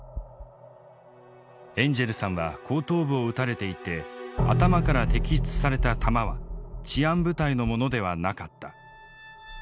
「エンジェルさんは後頭部を撃たれていて頭から摘出された弾は治安部隊のものではなかった。